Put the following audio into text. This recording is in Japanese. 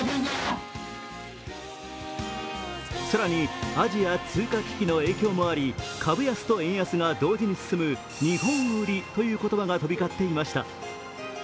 更にアジア通貨危機の影響もあり、株安と円安が同時に進む日本売りという言葉が飛び交っていました。